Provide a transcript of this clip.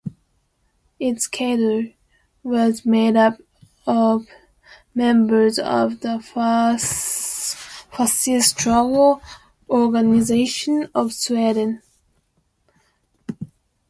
Its cadre was made up of members of the Fascist Struggle Organisation of Sweden.